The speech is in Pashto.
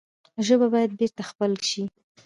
ژبه باید بېرته خپل شي.